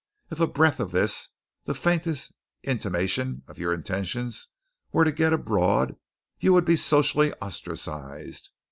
If a breath of this the faintest intimation of your intention were to get abroad, you would be socially ostracized.